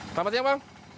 selamat siang pak